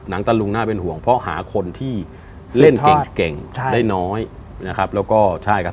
งตะลุงน่าเป็นห่วงเพราะหาคนที่เล่นเก่งเก่งใช่ได้น้อยนะครับแล้วก็ใช่ครับ